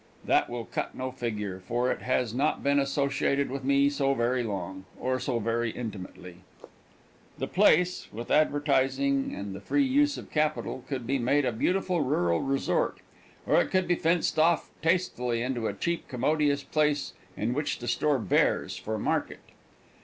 That will cut no figure, for it has not been associated with me so very long, or so very intimately. The place, with advertising and the free use of capital, could be made a beautiful rural resort, or it could be fenced off tastefully into a cheap commodious place in which to store bears for market.